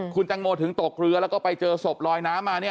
คุณตังโมถึงตกเรือแล้วก็ไปเจอศพลอยน้ำมาเนี่ย